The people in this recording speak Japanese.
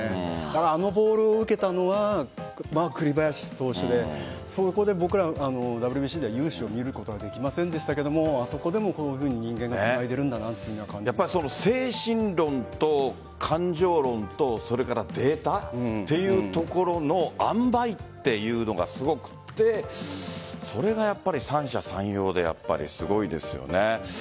あのボールを受けたのは栗林投手でそこでＷＢＣでは雄姿を見ることはできませんでしたがあそこでも人間を精神論と感情論とそれからデータというところのあんばいっていうのがすごくてそれが三者三様でやっぱりすごいですよね。